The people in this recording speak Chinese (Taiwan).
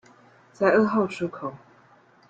在二號出口